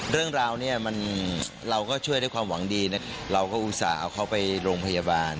เรื่องราวเนี่ยมันเราก็ช่วยด้วยความหวังดีนะเราก็อุตส่าห์เอาเขาไปโรงพยาบาล